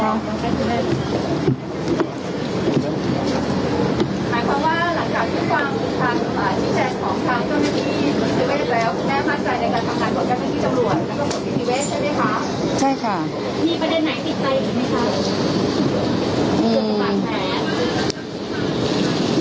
ใช่ค่ะมีประเด็นไหนติดใจหรือไหมคะอืม